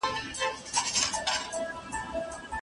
نو ماشومان یې خوښوي.